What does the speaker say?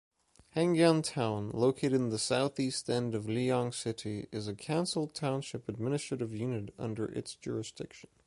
Hengjian Town, located in the southeast end of Liyang City, is a cancelled township administrative unit under its jurisdiction.